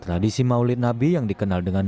tradisi maulid nabi yang dikenal dengan